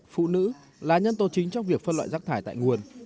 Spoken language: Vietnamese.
phụ nữ là nhân tố chính trong việc phân loại rác thải tại nguồn